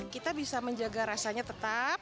kita bisa menjaga rasanya tetap